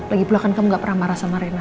lagipula kan kamu gak pernah marah sama rena